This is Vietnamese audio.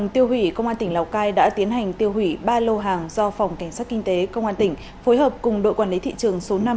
tiêu hủy công an tỉnh lào cai đã tiến hành tiêu hủy ba lô hàng do phòng cảnh sát kinh tế công an tỉnh phối hợp cùng đội quản lý thị trường số năm